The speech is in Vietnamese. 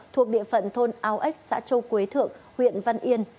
thuộc địa phận thôn ao ếch xã châu quế thượng huyện văn yên